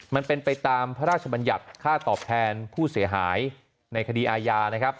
มันเป็นไปตามพระราชบัญญัติค่าตอบแทนผู้เสียหายในคดีอาญานะครับ